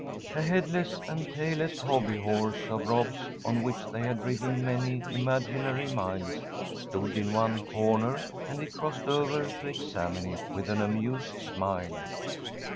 A headless and tailless hobby horse of Rob's, on which they had ridden many imaginary miles, stood in one corner, and he crossed over to examine it, with an amused smile.